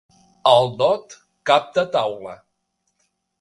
El dot, cap de taula.